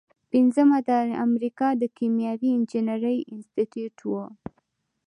پنځمه د امریکا د کیمیاوي انجینری انسټیټیوټ و.